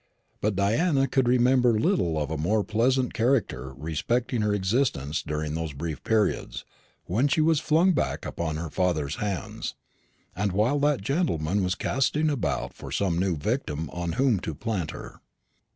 But Diana could remember little of a more pleasant character respecting her existence during those brief periods when she was flung back upon her father's hands, and while that gentleman was casting about for some new victim on whom to plant her.